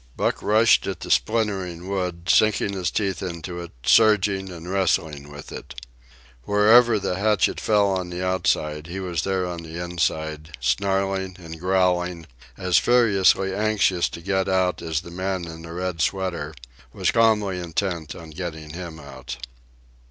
Buck rushed at the splintering wood, sinking his teeth into it, surging and wrestling with it. Wherever the hatchet fell on the outside, he was there on the inside, snarling and growling, as furiously anxious to get out as the man in the red sweater was calmly intent on getting him out.